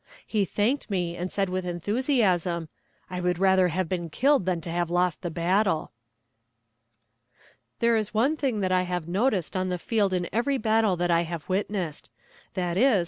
He thanked me, and said with enthusiasm, "I would rather have been killed than to have lost the battle." There is one thing that I have noticed on the field in every battle that I have witnessed, viz.